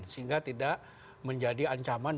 sehingga tidak menjadi ancaman